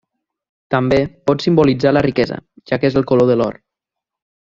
També, pot simbolitzar la riquesa, ja que és el color de l'or.